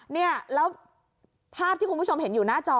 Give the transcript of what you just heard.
เนี่ยแล้วภาพที่คุณผู้ชมเห็นอยู่หน้าจอ